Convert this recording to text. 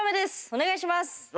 お願いします。